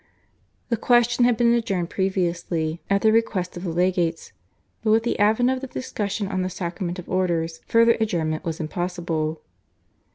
The question had been adjourned previously at the request of the legates, but with the advent of the discussion on the sacrament of Orders further adjournment was impossible.